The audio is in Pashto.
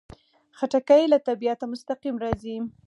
خټکی له طبیعته مستقیم راځي.